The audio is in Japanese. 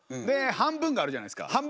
で「半分」があるじゃないですか。